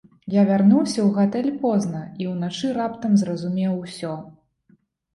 Я вярнуўся ў гатэль позна, і ўначы раптам зразумеў усё.